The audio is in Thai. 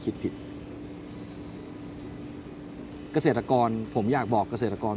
คัตซื่อโอกล่าฟาร์ม